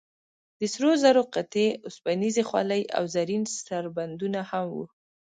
د سرو زرو قطعې، اوسپنیزې خولۍ او زرین سربندونه هم و.